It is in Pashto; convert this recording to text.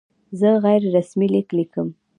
زه غیر رسمي لیک لیکم.